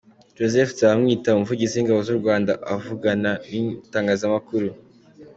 Joseph Nzabamwita, umuvugizi w’Ingabo z’u Rwanda avugana n’itangazmakuru.